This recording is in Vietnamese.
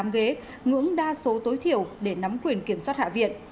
một mươi tám ghế ngưỡng đa số tối thiểu để nắm quyền kiểm soát hạ viện